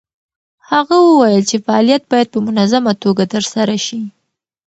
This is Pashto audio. هغه وویل چې فعالیت باید په منظمه توګه ترسره شي.